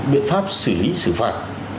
biện pháp xử lý xử phạt